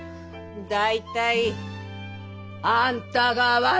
大体あんたが悪い！